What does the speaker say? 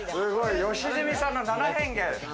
良純さんの七変化。